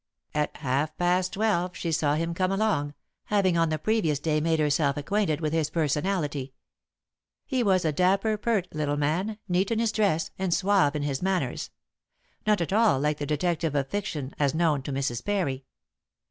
At half past twelve she saw him come along, having on the previous day made herself acquainted with his personality. He was a dapper pert little man, neat in his dress, and suave in his manners. Not at all like the detective of fiction as known to Mrs. Parry.